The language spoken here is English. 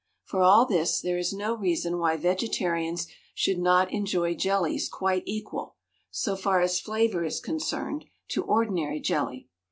For all this, there is no reason why vegetarians should not enjoy jellies quite equal, so far as flavour is concerned, to ordinary jelly.